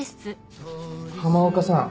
浜岡さん。